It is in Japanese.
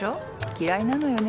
嫌いなのよね